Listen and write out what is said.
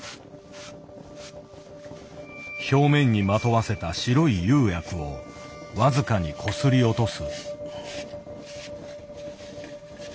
表面にまとわせた白い釉薬を僅かにこすり落とす。